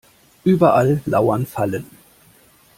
Überall lauern Fallen.